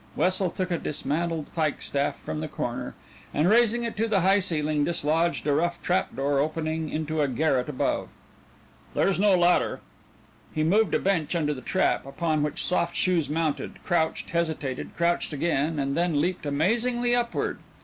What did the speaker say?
Wessel took a dismantled pike staff from the corner, and raising it to the high ceiling, dislodged a rough trap door opening into a garret above. "There's no ladder." He moved a bench under the trap, upon which Soft Shoes mounted, crouched, hesitated, crouched again, and then leaped amazingly upward.